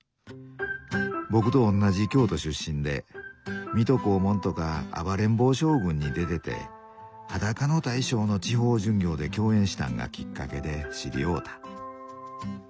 僕とおんなじ京都出身で「水戸黄門」とか「暴れん坊将軍」に出てて「裸の大将」の地方巡業で共演したんがきっかけで知り合うた。